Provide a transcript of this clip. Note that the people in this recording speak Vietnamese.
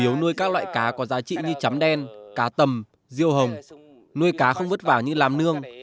nếu nuôi các loại cá có giá trị như chấm đen cá tầm riêu hồng nuôi cá không vứt vào như làm nương